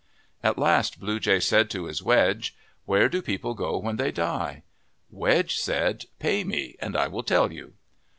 At last Blue Jay said to his wedge, "Where do people go when they die?' Wedge said, " Pay me and I will tell you."